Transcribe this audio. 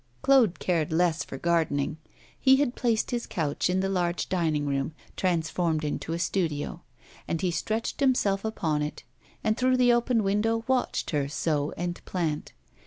Claude cared less for gardening; he had placed his couch in the large dining room, transformed into a studio; and he stretched himself upon it, and through the open window watched her sow and plant.